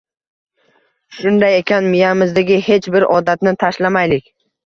Shunday ekan miyamizdagi hech bir odatni tashlamaylik.